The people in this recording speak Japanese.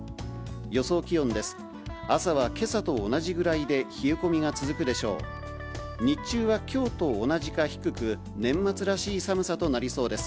予想気温です。